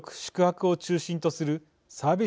特に飲食・宿泊業を中心とするサービス